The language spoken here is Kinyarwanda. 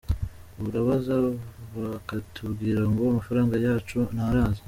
Urabaza bakatubwira ngo amafaranga yacu ntaraza.